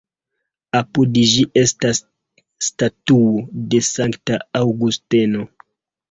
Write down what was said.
Apud ĝi estas statuo de Sankta Aŭgusteno.